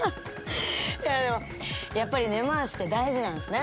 いやでもやっぱり根回しって大事なんすね。